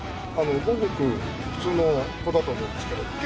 ごくごく普通の子だと思うんですけど。